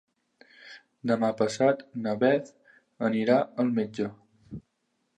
Demà passat na Beth anirà al metge.